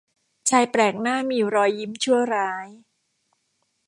ชายแปลกหน้ามีรอยยิ้มชั่วร้าย